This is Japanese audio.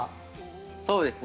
そうですね。